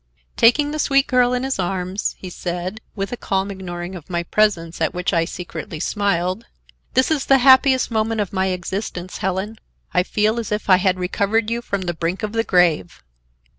Taking the sweet girl in his arms, he said, with a calm ignoring of my presence, at which I secretly smiled: "This is the happiest moment of my existence, Helen. I feel as if I had recovered you from the brink of the grave."